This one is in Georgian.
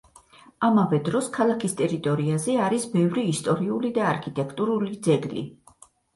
ამავე დროს ქალაქის ტერიტორიაზე არის ბევრი ისტორიული და არქიტექტურული ძეგლი.